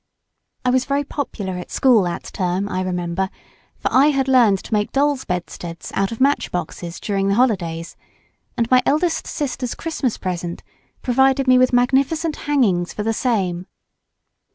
I was very popular at school that term I remember, for I had learned to make dolls' bedsteads out of match boxes during the holidays, and my eldest sister's Christmas present provided me with magnificent hangings for the same.